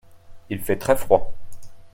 Il fait très froid.